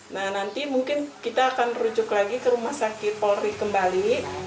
nah nanti mungkin kita akan rujuk lagi ke rumah sakit polri kembali